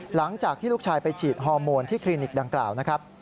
หลังจากที่ลูกชายไปฉีดฮอร์โมนที่คลินิกดังกล่าวนะครับ